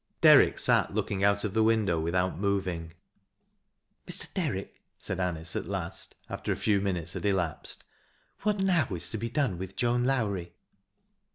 Derrick sat looking out of the window without moving. "Mr. Derrick," said Anice at last, after a few minulei bad elapsed, " What now is to be done with Joan Low lie?"